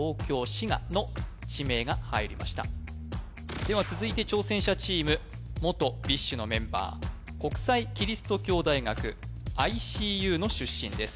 滋賀の地名が入りましたでは続いて挑戦者チーム元ＢｉＳＨのメンバー国際基督教大学ＩＣＵの出身です